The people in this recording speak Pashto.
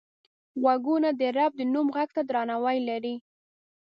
غوږونه د رب د نوم غږ ته درناوی لري